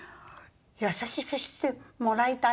優しくしてもらいたいわよ。